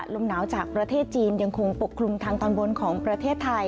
ลมหนาวจากประเทศจีนยังคงปกคลุมทางตอนบนของประเทศไทย